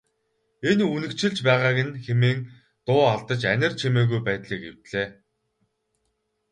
Энэ үнэгчилж байгааг нь хэмээн дуу алдаж анир чимээгүй байдлыг эвдлээ.